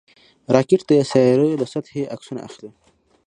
راکټ د سیارویو له سطحې عکسونه اخلي